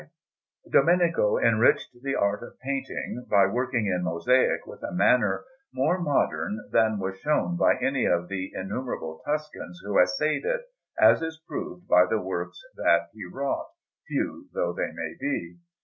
Croce_) Brogi] Domenico enriched the art of painting by working in mosaic with a manner more modern than was shown by any of the innumerable Tuscans who essayed it, as is proved by the works that he wrought, few though they may be.